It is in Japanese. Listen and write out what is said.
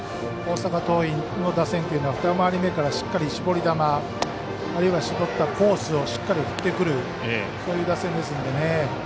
大阪桐蔭の打線というのは２回り目からしっかり絞り球あるいは絞ったコースをしっかり振ってくるそういう打線ですのでね。